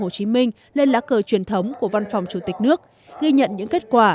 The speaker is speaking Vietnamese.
hồ chí minh lên lá cờ truyền thống của văn phòng chủ tịch nước ghi nhận những kết quả